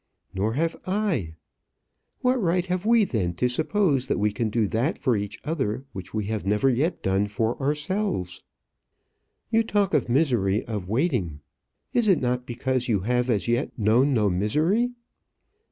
Nor have I. What right have we then to suppose that we can do that for each other which we have never yet done for ourselves? "You talk of the misery of waiting. Is it not because you have as yet known no misery?